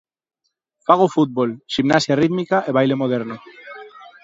Fago fútbol, ximnasia rítmica e baile moderno.